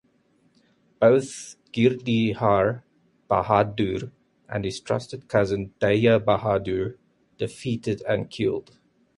Both Girdihar Bahadur and his trusted cousin Daya Bahadur defeated an killed.